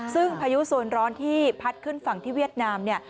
ซึ่งพายุโซนร้อนที่พัดขึ้นฝั่งที่เวียดนามเนี่ย